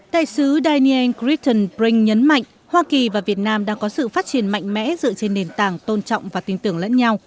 đại sứ daniel critton brink nhấn mạnh hoa kỳ và việt nam đang có sự phát triển mạnh mẽ dựa trên nền tảng tôn trọng và tin tưởng lẫn nhau